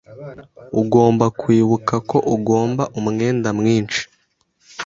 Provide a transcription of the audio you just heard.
Ugomba kwibuka ko ugomba umwenda mwinshi.